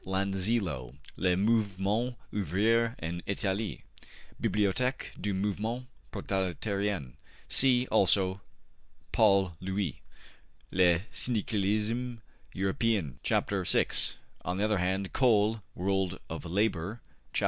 Lanzillo, ``Le Mouvement Ouvrier en Italie,'' Bibliotheque du Mouvement Proletarien. See also Paul Louis, ``Le Syndicalisme Europeen,'' chap. vi. On the other hand Cole (``World of Labour,'' chap.